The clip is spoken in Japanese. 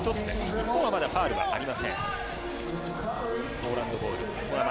日本はまだファウルありません。